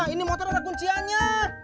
ini motor ada kunciannya